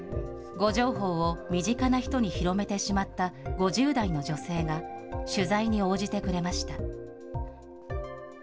誤情報を身近な人に広めてしまった５０代の女性が取材に応じてくれました。